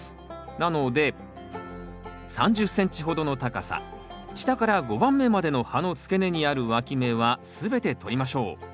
なので３０ｃｍほどの高さ下から５番目までの葉の付け根にあるわき芽は全てとりましょう。